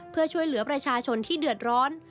เพื่อช่วยเหลือประชาชนที่เดือดร้อน